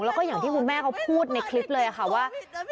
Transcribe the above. แล้วก็อย่างที่คุณแม่เขาพูดในคลิปเลยค่ะว่า